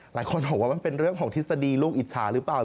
หลายคนบอกว่ามันเป็นเรื่องของทฤษฎีลูกอิจฉาหรือเปล่า